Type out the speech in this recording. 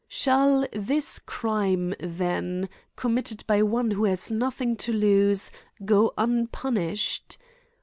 129 Shall this crime then, committtd by one who has nothing to lose, go unpunished